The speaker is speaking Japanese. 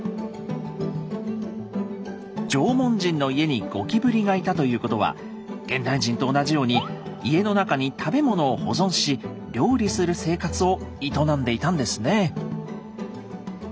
縄文人の家にゴキブリがいたということは現代人と同じように家の中に食べ物を保存し料理する生活を営んでいたんですね。